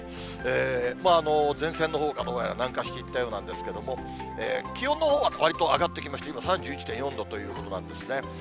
前線のほうがどうやら南下していったようなんですけれども、気温のほうはわりと上がってきまして、今、３１．４度ということなんですね